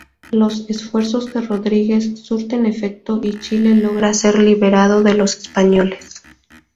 Los esfuerzos de Rodríguez surten efecto y Chile logra ser liberado de los españoles.